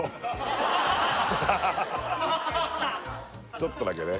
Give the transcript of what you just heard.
ちょっとだけね